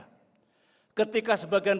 ketika sebagian dari kita berada di kota ini